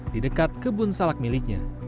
di dekat kebun salak miliknya